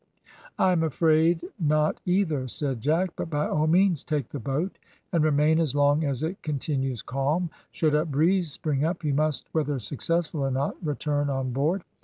"I am afraid not either," said Jack, "but by all means take the boat and remain as long as it continues calm. Should a breeze spring up, you must, whether successful or not, return on board.